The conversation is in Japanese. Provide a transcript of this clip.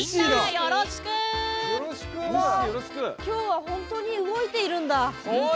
きょうは本当に動いているんだ！